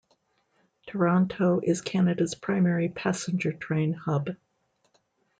Toronto is Canada's primary passenger train hub.